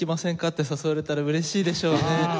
って誘われたら嬉しいでしょうね。